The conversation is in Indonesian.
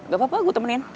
gapapa gue temenin